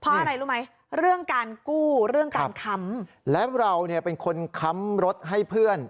เพราะอะไรรู้ไหมเรื่องการกู้เรื่องการค้ำและเราเนี่ยเป็นคนค้ำรถให้เพื่อน